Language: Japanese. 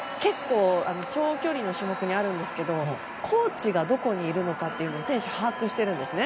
長距離の種目にあるんですがコーチがどこにいるかって選手が把握しているんですね。